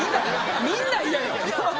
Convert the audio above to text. みんな嫌やん。